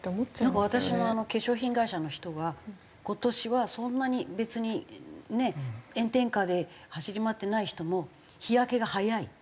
なんか私の化粧品会社の人が今年はそんなに別にね炎天下で走り回ってない人も日焼けが早いって。